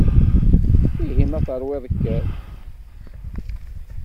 Ihi ma teṛwiḍ kker.